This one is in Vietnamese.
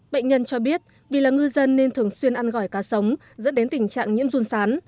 bệnh nhân cho biết vì là ngư dân nên thường xuyên ăn gỏi cá sống dẫn đến tình trạng nhiễm run sán